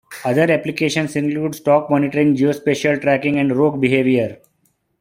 Other applications include stock monitoring, geospatial tracking and rogue behavior.